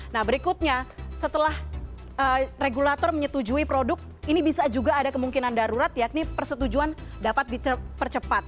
nah berikutnya setelah regulator menyetujui produk ini bisa juga ada kemungkinan darurat yakni persetujuan dapat dipercepat